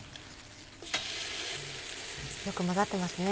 よく混ざってますね。